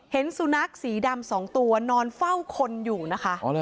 เห็นสุนัขสีดำ๒ตัวนอนเฝ้าคนอยู่นะคะ